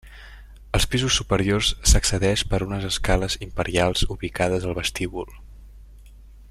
Als pisos superiors s'accedeix per unes escales imperials ubicades al vestíbul.